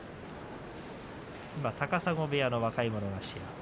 今、高砂部屋の若者頭